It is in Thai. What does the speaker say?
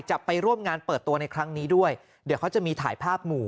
จะไปร่วมงานเปิดตัวในครั้งนี้ด้วยเดี๋ยวเขาจะมีถ่ายภาพหมู่